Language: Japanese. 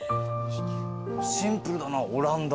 シンプルだなオランダ。